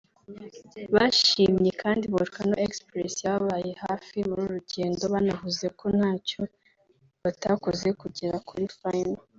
Bashimye kandi Volcano Express yababaye hafi muri uru rugendo banavuze ko ntacyo batakoze kugera kuri Final